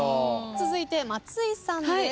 続いて松井さんです。